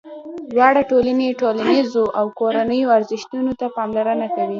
دواړه ټولنې ټولنیزو او کورنیو ارزښتونو ته پاملرنه کوي.